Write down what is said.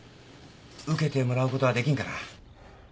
受けてもらうことはできんかな？